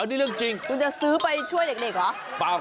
อันนี้เรื่องจริง